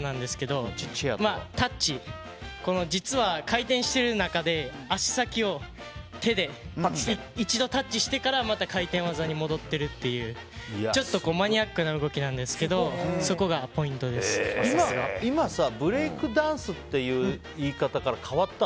タッチ、実は回転してる中で足先を、手で一度タッチしてから回転技に戻っているというちょっとマニアックな動きなんですけど今、ブレイクダンスっていう言い方から変わったの？